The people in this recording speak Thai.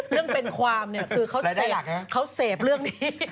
เรื่องเป็นความเขาเสพเรื่องนี้